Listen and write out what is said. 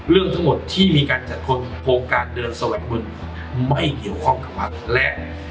เรื่องทั้งหมดที่มีการจัดการเดินสวัสดีมุนทรมายเกี่ยวคร่องกับวัตรและ